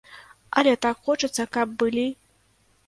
Але так хочацца, каб былі.